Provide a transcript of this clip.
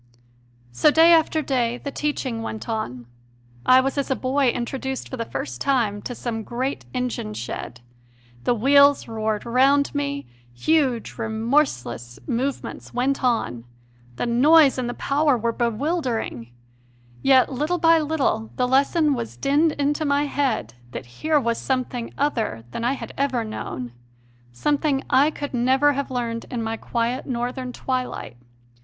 So day after day the teaching went on. I was as a boy introduced for the first time to some great engine shed: the wheels roared round me; huge, remorseless movements went on; the noise and the power were bewildering; yet little by little the lesson was dinned into my head that here w^as something other than I had ever known, some thing I could never have learned in my quiet Northern twilight.